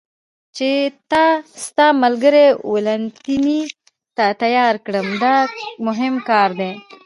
چې تا ستا ملګري والنتیني ته تیار کړم، دا مهم کار دی.